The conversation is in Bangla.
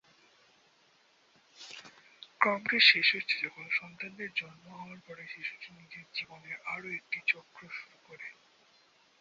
ক্রমটি শেষ হচ্ছে যখন সন্তানের জন্ম হওয়ার পরে শিশুটি নিজের জীবনের আরও একটি চক্র শুরু করে।